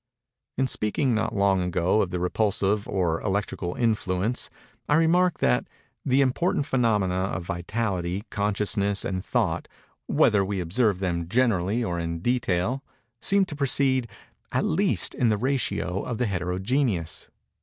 In speaking, not long ago, of the repulsive or electrical influence, I remarked that "the important phænomena of vitality, consciousness, and thought, whether we observe them generally or in detail, seem to proceed at least in the ratio of the heterogeneous."